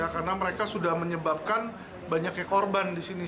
karena mereka sudah menyebabkan banyaknya korban di sini